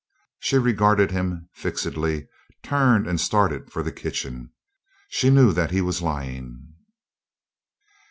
She regarded him fixedly, turned, and started for the kitchen. She knew that he was lying.